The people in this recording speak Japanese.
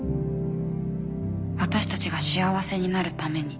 私たちが幸せになるために。